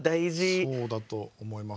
そうだと思います。